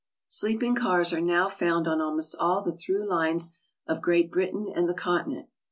Sleeping cars are now found on almost all the through lines of Great Britain and the Continent.